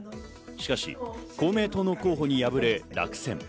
しかし、公明党の候補に敗れ落選。